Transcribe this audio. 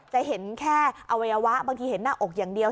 จะเห็นแค่อวัยวะบางทีเห็นหน้าอกอย่างเดียว